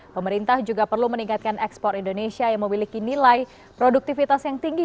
pemerintah juga perlu meningkatkan ekspor indonesia yang memiliki nilai produktivitas yang tinggi